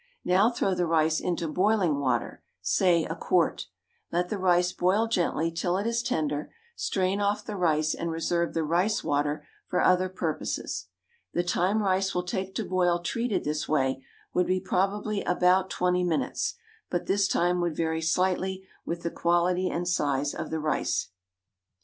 Now throw the rice into boiling water, say a quart; let the rice boil gently till it is tender, strain off the rice and reserve the rice water for other purposes. The time rice will take to boil treated this way would be probably about twenty minutes, but this time would vary slightly with the quality and size of the rice.